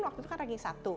waktu itu kan ranking satu